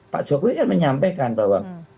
pak jokowi kan menyampaikan bahwa